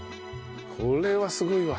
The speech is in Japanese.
これはすごいわ。